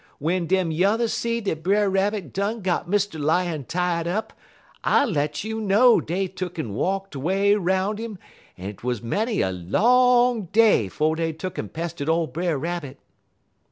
w'en dem yuthers see dat Brer Rabbit done got Mr. Lion tied up, I let you know dey tuck'n walked way 'roun' 'im, en 't wuz many a long day 'fo' dey tuck'n pestered ole Brer Rabbit."